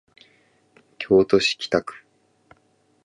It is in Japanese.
京都市北区